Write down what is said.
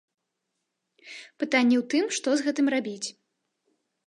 Пытанне ў тым, што з гэтым рабіць.